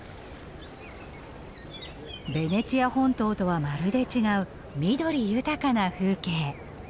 ベネチア本島とはまるで違う緑豊かな風景。